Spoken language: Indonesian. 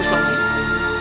aku mohon kepadamu